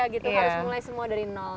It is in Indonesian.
harus mulai semua dari nol